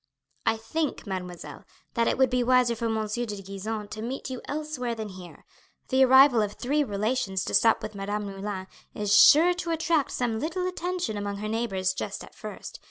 "I think, mademoiselle, that it would be wiser for Monsieur de Gisons to meet you elsewhere than here. The arrival of three relations to stop with Madame Moulin is sure to attract some little attention among her neighbours just at first.